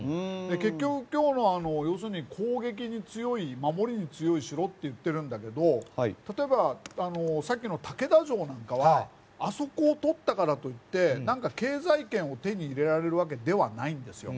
結局、要するに、攻撃に強い守りに強い城と言ってるけどさっきの竹田城なんかはあそこをとったからといって何か経済圏を手に入れられるわけではないんですよ。